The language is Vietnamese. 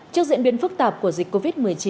trước diễn biến phức tạp của dịch covid một mươi chín